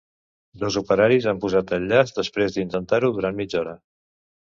Dos operaris han posat el llaç després d’intentar-ho durant mitja hora.